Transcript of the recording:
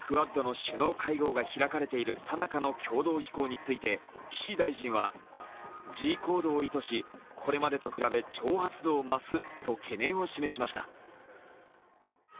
クアッドの首脳会合が開かれているさなかの共同飛行について岸大臣は示威行動を意図し、これまでと比べ挑発度を増すと懸念を示しました。